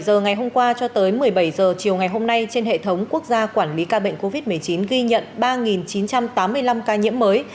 một mươi giờ ngày hôm qua cho tới một mươi bảy h chiều ngày hôm nay trên hệ thống quốc gia quản lý ca bệnh covid một mươi chín ghi nhận ba chín trăm tám mươi năm ca nhiễm mới